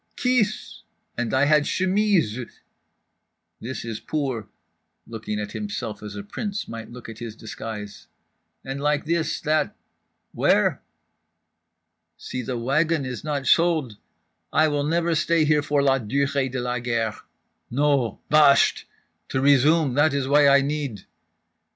Kis!_ And I had chemises… this is poor" (looking at himself as a prince might look at his disguise)—"and like this, that—where?" "Si the wagon is not sold … I never will stay here for la durée de la guerre. No—bahsht! To resume, that is why I need…."